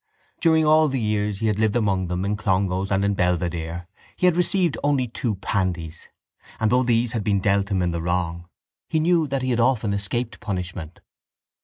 During all the years he had lived among them in Clongowes and in Belvedere he had received only two pandies and, though these had been dealt him in the wrong, he knew that he had often escaped punishment.